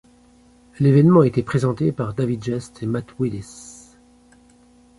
L'événement a été présenté par David Gest et Matt Willis.